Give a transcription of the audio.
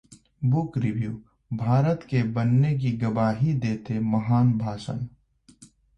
book review: Bharat के बनने की गवाही देते महान भाषण